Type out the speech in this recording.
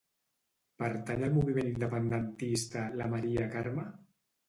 Pertany al moviment independentista la Maria Carme?